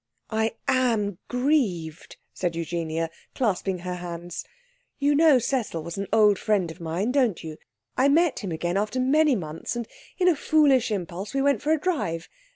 'I am grieved,' said Eugenia, clasping her hands. 'You know Cecil was an old friend of mine, don't you? I met him again after many months, and in a foolish impulse we went for a drive.